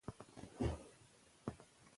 موږ باید ښه میراث پریږدو.